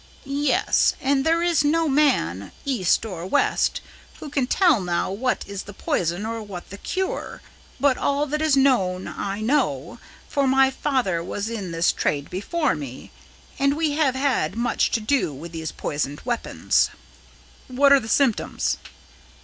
"Yes, and there is no man, East or West, who can tell now what is the poison or what the cure. But all that is known I know, for my father was in this trade before me, and we have had much to do with these poisoned weapons." "What are the symptoms?"